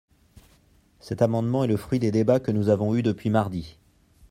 Cet amendement est le fruit des débats que nous avons eus depuis mardi.